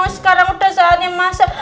sekarang udah saatnya masak